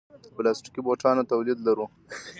د پلاستیکي بوټانو تولید لرو؟